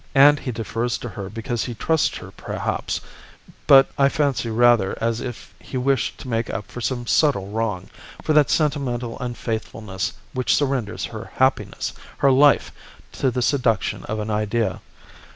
And he defers to her because he trusts her perhaps, but I fancy rather as if he wished to make up for some subtle wrong, for that sentimental unfaithfulness which surrenders her happiness, her life, to the seduction of an idea.